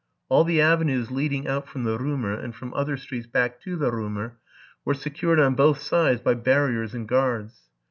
All the avenues leading out from the Romer, and from other streets back to the Romer, were secured on both sides by barriers and guards.